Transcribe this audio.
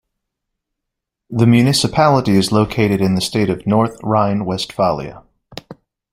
The municipality is located in the state of North Rhine-Westphalia.